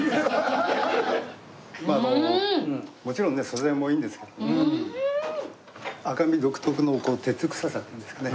もちろんね素材もいいんですけど赤身独特の鉄くささっていうんですかね